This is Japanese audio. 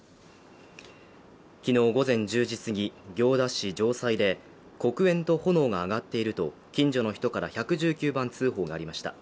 昨日午前１０時すぎ、行田市城西で黒煙と炎が上がっていると近所の人から１１９番通報がありました。